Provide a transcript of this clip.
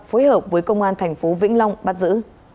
phối hợp với công an tp vĩnh long bắt giữ